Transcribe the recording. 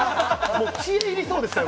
消え入りそうでしたよ